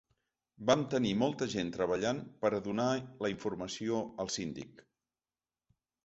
Vam tenir molta gent treballant per a donar la informació al síndic.